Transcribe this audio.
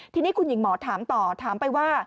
ทีนี้คุณหญิงหมอถามต่อถามไปว่า